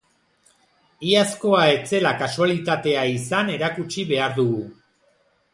Iazkoa ez zela kasualitatea izan erakutsi behar dugu.